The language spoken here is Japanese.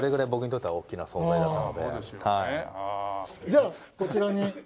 じゃあこちらに。